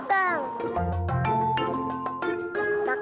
makanya jangan suka ngejahin orang